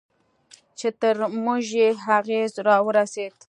چې تر موږ یې اغېز راورسېد.